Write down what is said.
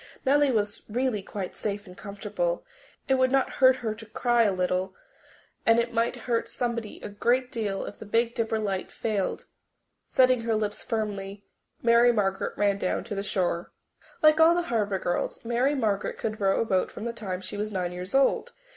Nellie was really quite safe and comfortable. It would not hurt her to cry a little, and it might hurt somebody a great deal if the Big Dipper light failed. Setting her lips firmly, Mary Margaret ran down to the shore. Like all the Harbour girls, Mary Margaret could row a boat from the time she was nine years old.